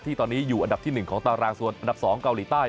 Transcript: ตอนนี้อยู่อันดับที่๑ของตารางส่วนอันดับ๒เกาหลีใต้